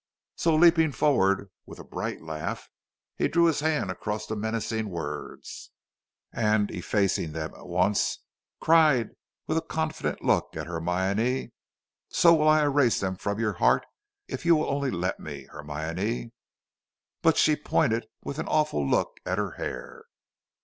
So leaping forward, with a bright laugh, he drew his hand across the menacing words, and, effacing them at once, cried with a confident look at Hermione: "So will I erase them from your heart if you only will let me, Hermione." But she pointed with an awful look at her hair.